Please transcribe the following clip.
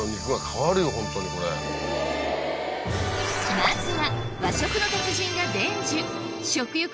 まずは和食の達人が伝授